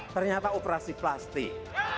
ternyata operasi plastik